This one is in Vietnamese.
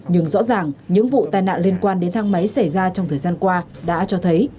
nhưng rõ ràng những vụ tai nạn liên quan đến thang máy xảy ra trong thời gian qua đã cho thấy